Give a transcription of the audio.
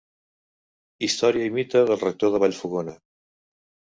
Història i mite del Rector de Vallfogona.